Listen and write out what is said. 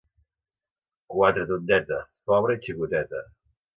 Quatretondeta, pobra i xicoteta.